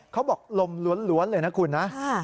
เขาบอกลมล้วนเลยนะคุณนะ